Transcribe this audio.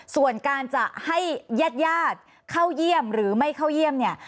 ส่วนการจะให้ญาติญาติเข้าเยี่ยมหรือไม่เข้าเยี่ยมเนี่ย